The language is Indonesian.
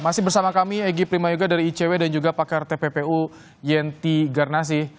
masih bersama kami egy primayoga dari icw dan juga pakar tppu yenti garnasi